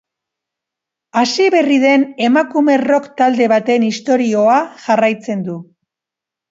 Hasi berri den emakume rock talde baten istorioa jarraitzen du.